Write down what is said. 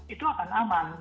itu akan aman